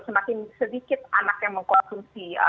semakin sedikit anak yang mengkonsumsi